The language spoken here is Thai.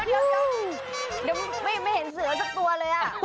เดี๋ยวเดี๋ยวไม่เห็นเสื้อสักตัวเลย